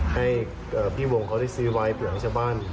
ให้พี่วงเขาได้ซื้อไว้เผื่อให้ชาวบ้าน